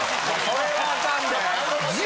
それはアカンで。